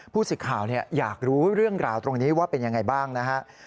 สิทธิ์ข่าวอยากรู้เรื่องราวตรงนี้ว่าเป็นยังไงบ้างนะฮะ